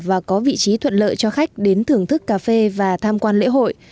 và có vị trí thuận lợi cho khách đến thưởng thức cà phê và tham quan lễ hội